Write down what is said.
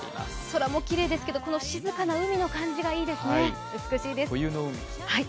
空もきれいですけど、この静かな海の感じもいいですね。